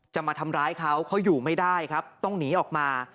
มาทำร้ายเขาเขาอยู่ไม่ได้ครับต้องหนีออกมา